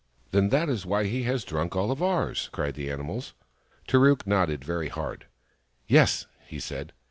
" Then that is why he has drunk all of ours !" cried the animals. Tarook nodded very hard. " Yes," he said.